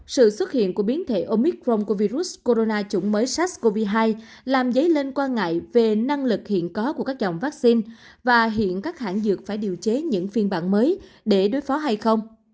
sự xuất hiện của biến thể omicron của virus corona chủng mới sars cov hai làm dấy lên quan ngại về năng lực hiện có của các dòng vaccine và hiện các hãng dược phải điều chế những phiên bản mới để đối phó hay không